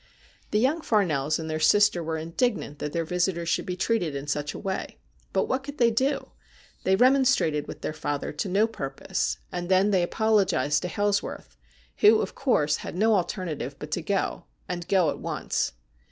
The young Farnells and their sister were indignant that their visitor should be treated in such a way. But what could they do ? They remonstrated with their father to no purpose, 256 STORIES WEIRD AND WONDERFUL and then they apologised to Hailsworth, who, of course, had no alternative but to go, and go at once.